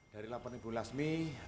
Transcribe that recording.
dari laporan ibu lasmi